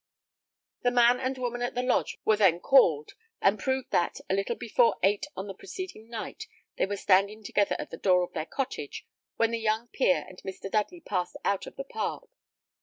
The man and woman at the lodge were then called, and proved that, a little before eight on the preceding night, they were standing together at the door of their cottage, when the young peer and Mr. Dudley passed out of the park.